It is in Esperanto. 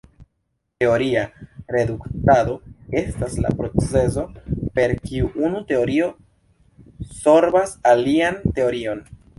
Teoria reduktado estas la procezo per kiu unu teorio sorbas alian teorion.